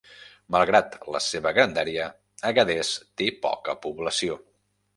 Malgrat la seva grandària, Agadez té poca població.